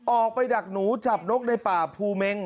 ออกไปดักหนูจับนกในป่าภูเมง